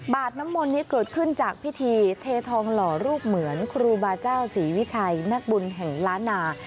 น้ำมนต์นี้เกิดขึ้นจากพิธีเททองหล่อรูปเหมือนครูบาเจ้าศรีวิชัยนักบุญแห่งล้านนา